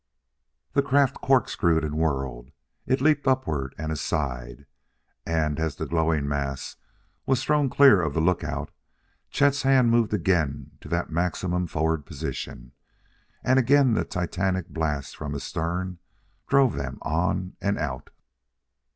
The craft corkscrewed and whirled; it leaped upward and aside; and, as the glowing mass was thrown clear of the lookout, Chet's hand moved again to that maximum forward position, and again the titanic blast from astern drove them on and out.